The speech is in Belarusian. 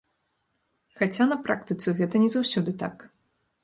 Хаця, на практыцы, гэта не заўсёды так.